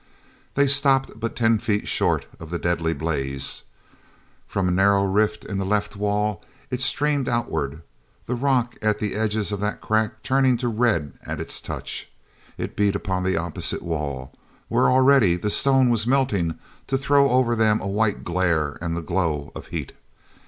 They stopped but ten feet short of the deadly blaze. From a narrow rift in the left wall it streamed outward, the rock at the edges of that crack turning to red at its touch. It beat upon the opposite wall, where already the stone was melting to throw over them a white glare and the glow of heat.